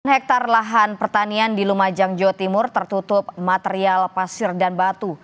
delapan hektare lahan pertanian di lumajang jawa timur tertutup material pasir dan batu